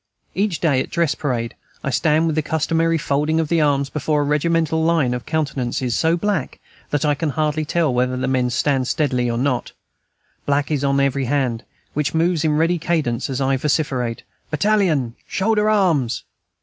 Each day at dress parade I stand with the customary folding of the arms before a regimental line of countenances so black that I can hardly tell whether the men stand steadily or not; black is every hand which moves in ready cadence as I vociferate, "Battalion! Shoulder arms!"